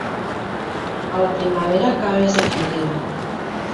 A la primavera, cames de figuera.